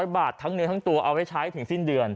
แบ่งตัวทั้งนึงทั้งตัวให้ใช้ถึงสิ้นเดือน